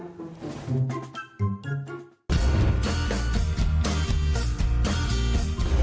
แน่สวยมากจริง